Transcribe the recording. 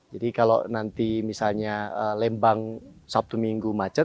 jadi kalau nanti misalnya lembang sabtu minggu macet